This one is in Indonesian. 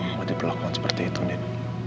kalau diperlakukan seperti itu nih